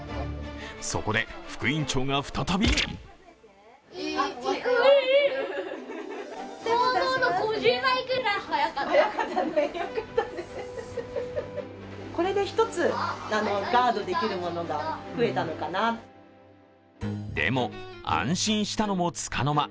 そこで副院長が再びでも、安心したのもつかの間。